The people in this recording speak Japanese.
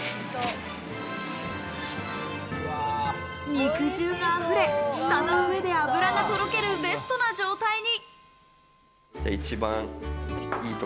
肉汁があふれ、舌の上で脂がとろける、ベストな状態に。